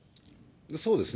そうですね。